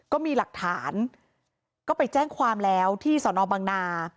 ก็มีหลักฐานก็ไปแจ้งความแล้วที่สนบังนา